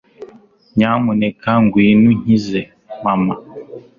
nyamuneka ngwino unkize, mama